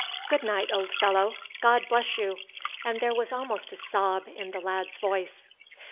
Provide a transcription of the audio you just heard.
"Good night, old fellow. God bless you!" and there was almost a sob in the lad's voice.